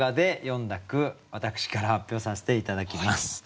私から発表させて頂きます。